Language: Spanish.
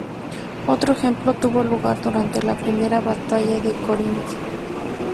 Otro ejemplo tuvo lugar durante la Primera batalla de Corinth.